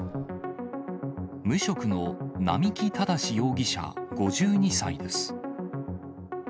無職の並木正容疑者５２歳です。